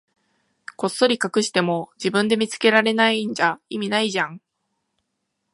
こっそり隠しても、自分で見つけられないんじゃ意味ないじゃん。